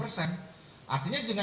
artinya dengan jumlah penumpangnya